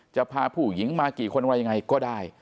จะพาผู้หญิงมากี่คนอะไรยังไงก็ได้